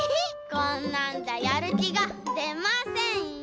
こんなんじゃやるきがでませんよ！